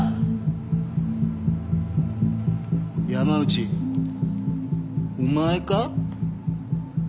山内お前か？